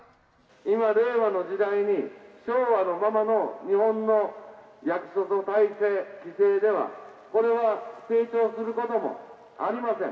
今、令和の時代に、昭和のままの日本の役所の体制・姿勢では、これは成長することもありません。